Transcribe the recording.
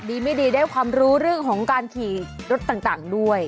ดีไม่ดีได้ความรู้เรื่องของการขี่รถต่างด้วย